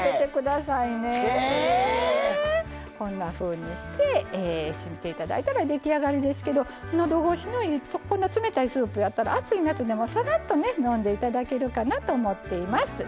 こんなふうにしていただいたら出来上がりですけどのどごしのいい冷たいスープやったら暑い夏でもさらっと飲んでいただけるかなと思っています。